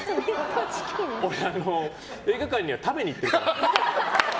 俺、映画館には食べに行ってるから。